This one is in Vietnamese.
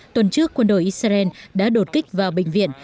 tuần trước quân đội israel đã đột kích vào bệnh viện